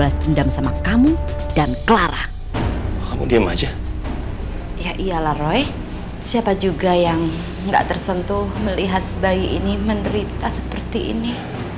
siapa juga yang gak tersentuh melihat bayi ini menderita seperti ini